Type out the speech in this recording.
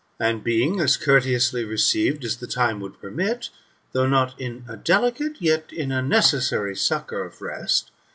And being as courteously received as the time would permit, though not in a delicate, yet in a necessary succour of rest